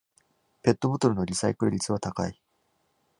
ペットボトルのリサイクル率は高い